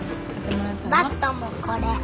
バットこれ。